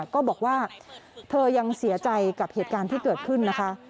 ก็บอกว่าเธอยังเสียใจกับเหตุการณ์ที่เกิดขึ้นนะคะ